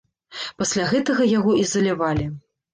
Пасля гэтага яго ізалявалі.